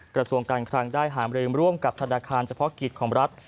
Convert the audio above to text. กระทรวงการคลังได้หามลืมร่วมกับธนาคารเฉพาะกิจของรัฐ